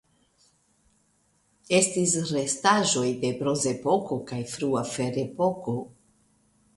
Estis restaĵoj de Bronzepoko kaj frua Ferepoko.